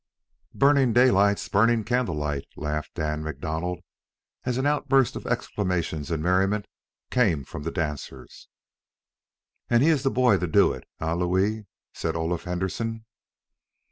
"Burning Daylight's burning candlelight," laughed Dan MacDonald, as an outburst of exclamations and merriment came from the dancers. "An' he is der boy to do it, eh, Louis?" said Olaf Henderson.